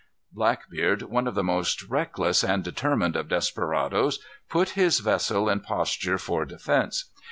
Blackbeard, one of the most reckless and determined of desperadoes, put his vessel in posture for defence.